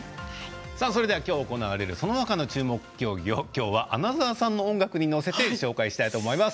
それでは、きょう行われるそのほかの競技をきょうは穴澤さんの音楽に乗せて紹介したいと思います。